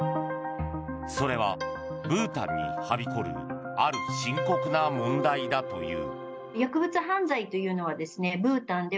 それは、ブータンにはびこるある深刻な問題だという。